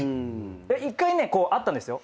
１回ねあったんですよ。